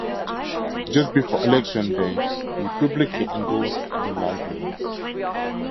Just before election day, he publicly endorsed the Liberals.